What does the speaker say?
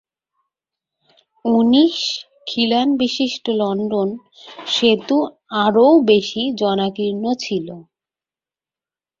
উনিশ খিলানবিশিষ্ট লন্ডন সেতু আরও বেশি জনাকীর্ণ ছিল।